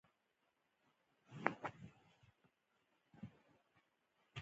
افغانستان تر هغو نه ابادیږي، ترڅو بې ځایه نیول او بندي کول بند نشي.